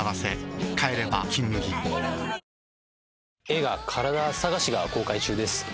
映画『カラダ探し』が公開中です。